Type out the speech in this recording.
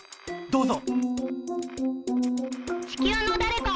どうぞ。